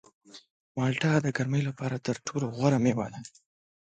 مالټه د ګرمۍ لپاره تر ټولو غوره مېوه ده.